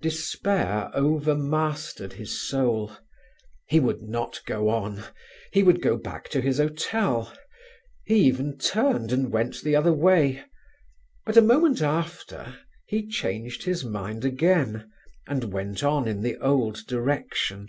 Despair overmastered his soul; he would not go on, he would go back to his hotel; he even turned and went the other way; but a moment after he changed his mind again and went on in the old direction.